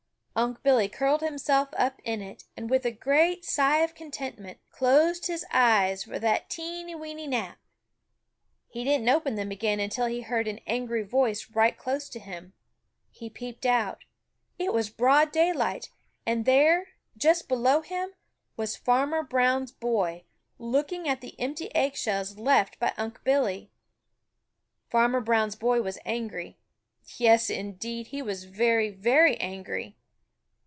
Unc' Billy curled himself up in it, and with a great sigh of contentment, closed his eyes for that teeny, weeny nap. He didn't open them again until he heard an angry voice right close to him. He peeped out. It was broad daylight, and there, just below him, was Farmer Brown's boy, looking at the empty egg shells left by Unc' Billy. Farmer Brown's boy was angry. Yes, indeed, he was very, very angry.